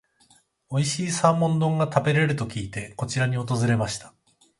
おいしいサーモン丼が食べれると聞いて、こちらに訪れました。